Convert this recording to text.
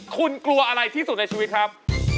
คุณกลัวอะไรที่สุดในชีวิตครับ